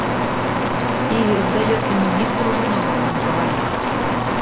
І, здаецца, міністр ужо нават з ім гаварыў.